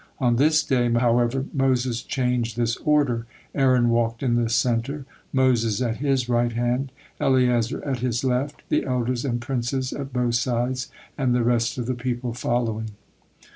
On this day, however, Moses changed this order; Aaron walked in the center, Moses at his right hand, Eleazar at his left, the elders and princes at both sides, and the rest of the people following.